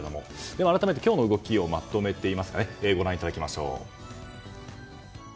改めて今日の動きをご覧いただきましょう。